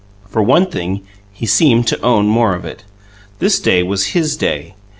For one thing, he seemed to own more of it; this day was HIS day.